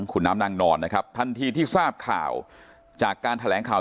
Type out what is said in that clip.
คุณน้ำนางนอนนะครับทันทีที่ทราบข่าวจากการแถลงข่าว